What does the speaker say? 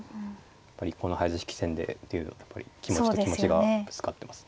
やっぱりこの早指し棋戦でというやっぱり気持ちと気持ちがぶつかってます。